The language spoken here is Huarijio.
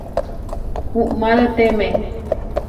Uʼmáreteme.